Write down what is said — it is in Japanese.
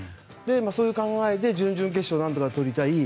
そういう考えで準々決勝をなんとかとりたい。